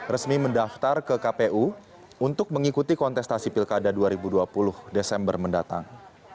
resmi mendaftar ke kpu untuk mengikuti kontestasi pilkada dua ribu dua puluh desember mendatang